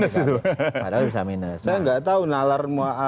saya gak tahu